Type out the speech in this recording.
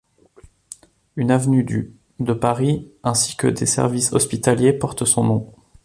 Une avenue du de Paris ainsi que des services hospitaliers portent son nom.